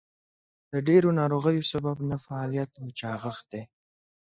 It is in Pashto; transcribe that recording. د ډېرو ناروغیو سبب نهفعاليت او چاغښت دئ.